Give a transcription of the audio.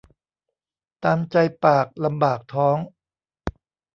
ตามใจปากลำบากท้อง